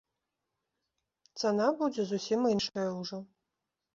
Цана будзе зусім іншая ўжо.